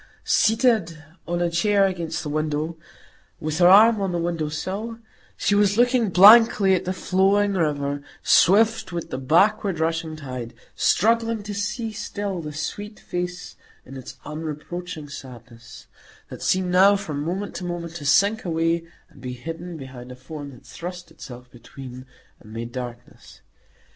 Seated on a chair against the window, with her arm on the windowsill she was looking blankly at the flowing river, swift with the backward rushing tide, struggling to see still the sweet face in its unreproaching sadness, that seemed now from moment to moment to sink away and be hidden behind a form that thrust itself between, and made darkness.